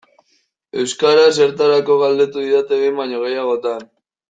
Euskara zertarako galdetu didate behin baino gehiagotan.